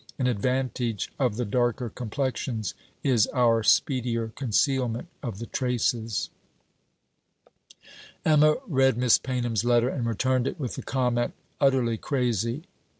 An advantage of the darker complexions is our speedier concealment of the traces.' Emma read Miss Paynham's letter, and returned it with the comment: 'Utterly crazy.'